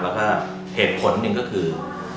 แล้วก็เหตุผลหนึ่งก็คือ